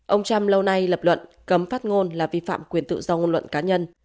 ông trump lâu nay lập luận cấm phát ngôn là vi phạm quyền tự do ngôn luận cá nhân